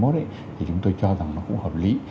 thì chúng tôi cho rằng nó cũng hợp lý